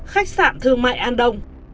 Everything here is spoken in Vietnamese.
khách sạn thương mại andong